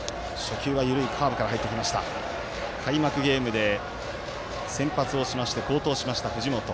開幕ゲームで先発をしまして好投しました、藤本。